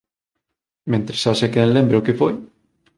Mentres haxa quen lembre o que foi.